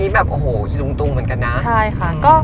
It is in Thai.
แบบโอ้โหอีลุงตุงเหมือนกันนะ